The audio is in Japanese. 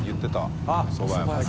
おそば屋さんだ。